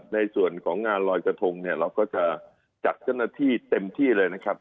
ในส่วนของงานลอยกระทงเนี่ยเราก็จะจัดเจ้าหน้าที่เต็มที่เลยนะครับ